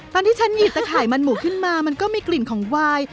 ตอนที่ฉันหยิบตะข่ายมันหมูขึ้นมามันก็มีกลิ่นของวาย